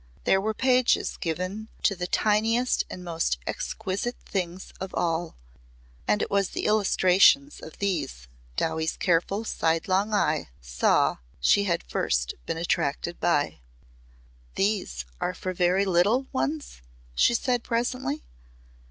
There were pages given to the tiniest and most exquisite things of all, and it was the illustrations of these, Dowie's careful sidelong eye saw she had first been attracted by. "These are for very little ones?" she said presently.